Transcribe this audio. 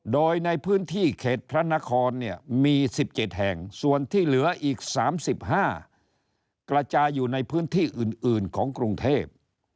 โดยในพื้นที่เขตพระนครเนี่ยมี๑๗แห่งส่วนที่เหลืออีก๓๕กระจายอยู่ในพื้นที่อื่นของกรุงเทพ